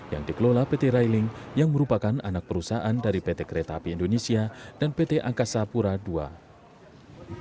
yang dikelola pt railing yang merupakan anak perusahaan dari pt kereta api indonesia dan pt angkasa pura ii